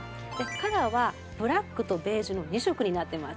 カラーはブラックとベージュの２色になってます。